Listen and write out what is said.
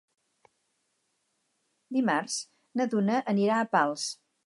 Dimarts na Duna anirà a Pals.